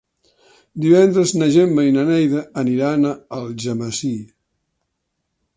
Divendres na Gemma i na Neida aniran a Algemesí.